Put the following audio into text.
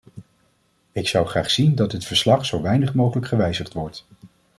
Ik zou graag zien dat dit verslag zo weinig mogelijk gewijzigd wordt.